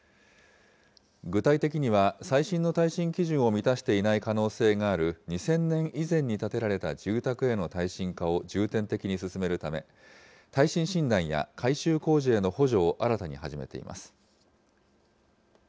具体的には、最新の耐震基準を満たしていない可能性がある２０００年以前に建てられた住宅への耐震化を重点的に進めるため、耐震診断や改修工事への補助を新たに始めています。